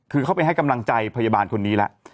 คือเข้าไปให้กำลังใจพยาบาลคนนี้แล้ว